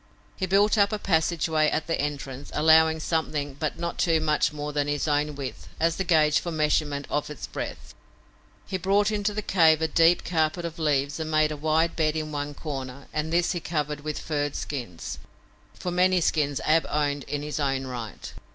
He built up a passage way at the entrance, allowing something but not too much more than his own width, as the gauge for measurement of its breadth. He brought into the cave a deep carpet of leaves and made a wide bed in one corner and this he covered with furred skins, for many skins Ab owned in his own right.